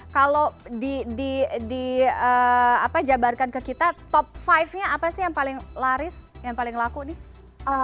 kalau dijabarkan ke kita top lima nya apa sih yang paling laris yang paling laku nih